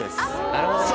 なるほどね。